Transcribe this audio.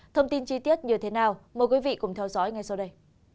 thông tin chi tiết như thế nào mời quý vị cùng theo dõi ngay sau đây